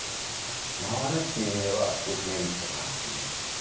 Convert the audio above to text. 回るという意味では、すごくメリットかなと思います。